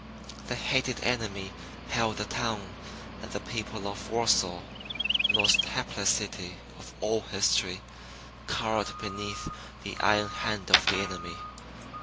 The hated enemy held the town, and the people of Warsaw, most hapless city of all history, cowered beneath the iron hand of the enemy.